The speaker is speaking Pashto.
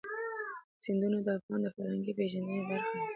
سیندونه د افغانانو د فرهنګي پیژندنې برخه ده.